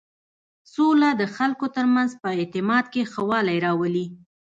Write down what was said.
سوله د خلکو تر منځ په اعتماد کې ښه والی راولي.